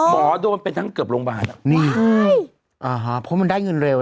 หรอหมอโดนเป็นทั้งเกือบโรงพยาบาลนี่อ่าฮะเพราะมันได้เงินเร็ว